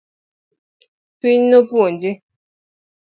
Piny nopuonje